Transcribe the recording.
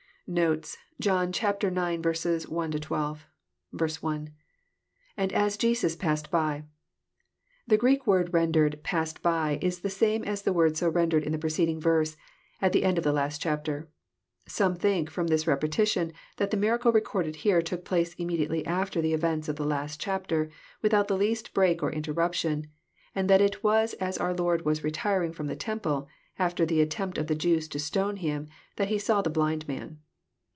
Notes. John IX. 1—12. 1. — lAnd as Jems passed hyJ] The Greek word rendered " passed by," is the same as the word so rendered in the preceding verse, at the end of the last chapter. — Some think, from this repetition, that the miracle recorded here took place immedi ately after the events of the last chapter, without the least break or interruption ; and that it was as our Lord was retiring from the temple, after the attempt of the Jews to stone Him, that He saw the blind man.